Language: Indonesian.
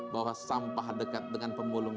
bahwa sampah dekat dengan pemulung